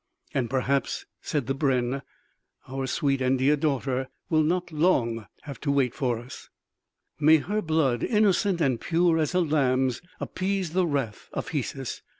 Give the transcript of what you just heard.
"And perhaps," said the brenn, "our sweet and dear daughter will not long have to wait for us " "May her blood, innocent and pure as a lamb's, appease the wrath of Hesus!"